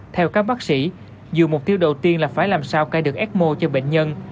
theo các bác sĩ dù mục tiêu đầu tiên là phải làm sao cai được ecmo cho bệnh nhân